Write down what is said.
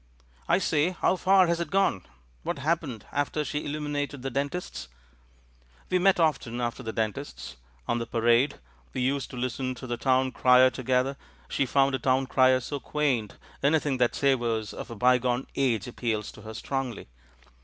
"I say, how far has it gone? What happened after she illuminated the dentist's?" "We met often after the dentist's — on the Pa rade. We used to listen to the town crier to gether; she found a town crier so quaint; any thing that savours of a bygone age appeals to her strongly.